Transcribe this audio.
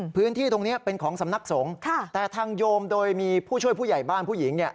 พื้นที่ตรงนี้เป็นของสำนักสงฆ์แต่ทางโยมโดยมีผู้ช่วยผู้ใหญ่บ้านผู้หญิงเนี่ย